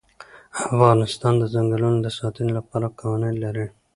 افغانستان د ځنګلونه د ساتنې لپاره قوانین لري.